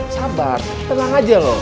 sabar tenang aja lo